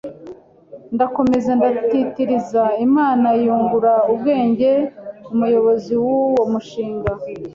ndakomeza ndatitiriza Imana yungura ubwenge umuyobozi w’uwo mushinga,